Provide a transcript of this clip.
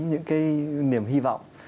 những cái niềm hy vọng